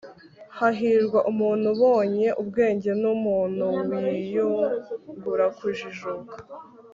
hahirwa umuntu ubonye ubwenge, n'umuntu wiyungura kujijuka